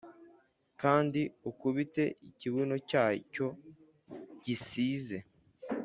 kandi ukubite ikibuno cyacyo gisize,